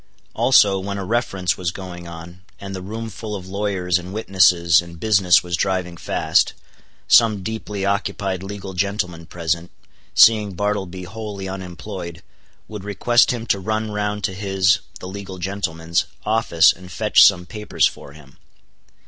Also, when a Reference was going on, and the room full of lawyers and witnesses and business was driving fast; some deeply occupied legal gentleman present, seeing Bartleby wholly unemployed, would request him to run round to his (the legal gentleman's) office and fetch some papers for him.